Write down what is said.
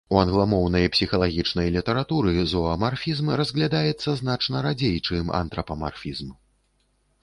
У англамоўнай псіхалагічнай літаратуры зоамарфізм разглядаецца значна радзей, чым антрапамарфізм.